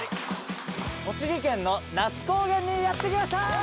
栃木県の那須高原にやって来ました！